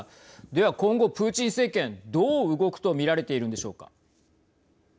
では今後、プーチン政権どう動くと見られているんでしょうか。